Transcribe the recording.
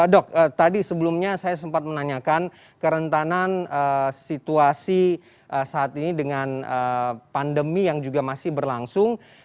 dok tadi sebelumnya saya sempat menanyakan kerentanan situasi saat ini dengan pandemi yang juga masih berlangsung